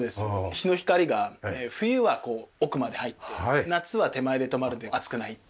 日の光が冬は奥まで入って夏は手前で止まるので暑くないっていう。